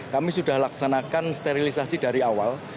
kami sudah laksanakan sterilisasi dari awal